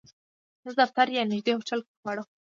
زه دفتر کې یا نږدې هوټل کې خواړه خورم